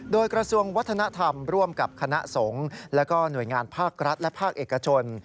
โดยกระทรวงวัฒนธรรมร่วมกับคณะสงฆ์และหน่วยงานภาครัฐและภาคเอกชน